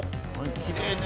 きれいね。